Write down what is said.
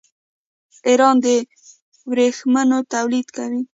ایران د ورېښمو تولید کوي.